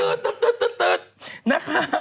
ตื๊ดตื๊ดตื๊ดตื๊ดตื๊ดตื๊ดนะครับ